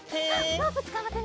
ロープつかまってみよう。